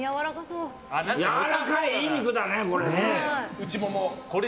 やわらかいいい肉だねこれ！